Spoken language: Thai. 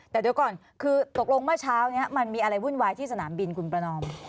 แต่เดี๋ยวก่อนคือตกลงเมื่อเช้านี้มันมีอะไรวุ่นวายที่สนามบินคุณประนอม